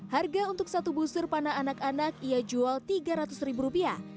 harga untuk satu busur panah anak anak ia jual rp tiga ratus ribu rupiah